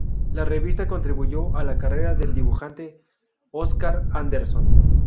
La revista contribuyó a la carrera del dibujante Oskar Andersson.